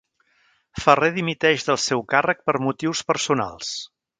Ferrer dimiteix del seu càrrec per motius personals